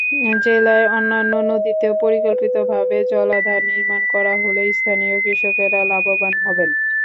জেলার অন্যান্য নদীতেও পরিকল্পিতভাবে জলাধার নির্মাণ করা হলে স্থানীয় কৃষকেরা লাভবান হবেন।